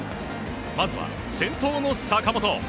まずは先頭の坂本。